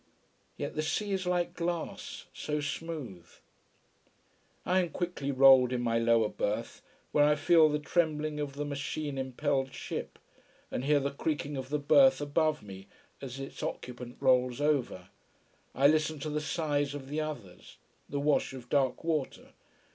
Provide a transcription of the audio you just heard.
Yet the sea is like glass, so smooth. I am quickly rolled in my lower berth, where I feel the trembling of the machine impelled ship, and hear the creaking of the berth above me as its occupant rolls over: I listen to the sighs of the others, the wash of dark water.